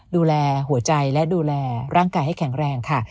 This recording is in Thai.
ดูแลหัวใจและดูแลร่างกายให้แข็งแรงค่ะ